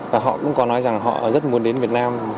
và họ cũng có nói rằng họ rất muốn đến việt nam